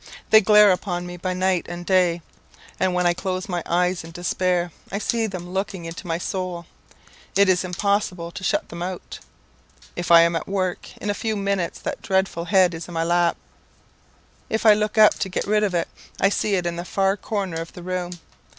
They glare upon me by night and day, and when I close my eyes in despair, I see them looking into my soul it is impossible to shut them out. If I am at work, in a few minutes that dreadful head is in my lap. If I look up to get rid of it, I see it in the far corner of the room.